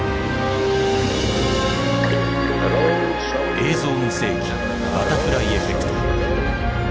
「映像の世紀バタフライエフェクト」。